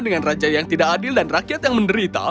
dengan raja yang tidak adil dan rakyat yang menderita